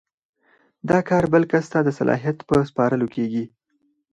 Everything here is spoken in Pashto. دا کار بل کس ته د صلاحیت په سپارلو کیږي.